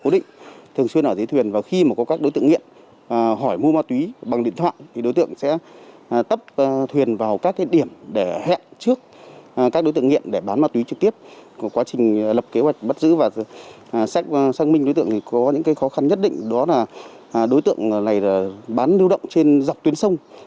đối tượng này bán lưu động trên dọc tuyến sông